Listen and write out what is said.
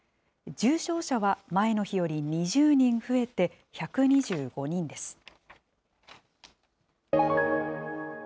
重症者は前の日より２０人増えて、１２５人です。